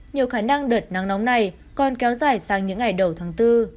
nhiều khả năng đợt nắng nóng này còn kéo dài sang những ngày đầu tháng bốn